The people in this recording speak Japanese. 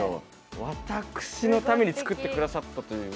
私のために作ってくださったという。